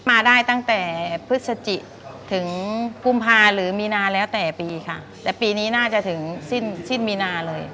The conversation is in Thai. มาได้ตั้งแต่พฤศจิถึงกุมภาหรือมีนาแล้วแต่ปีค่ะแต่ปีนี้น่าจะถึงสิ้นสิ้นมีนาเลย